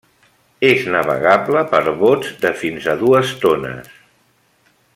És navegable per bots de fins a dues tones.